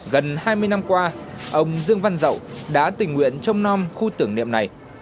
gần hai mươi năm qua ông dương văn dậu đã tình nguyện trong non khu tưởng niệm này